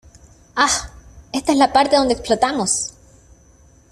¡ Ah! ¡ ésta es la parte donde explotamos !